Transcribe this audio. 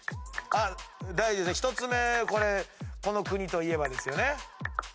１つ目これこの国といえばですよね。